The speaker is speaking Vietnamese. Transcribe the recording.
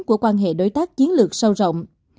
của quan hệ đối tác chiến lược sâu rộng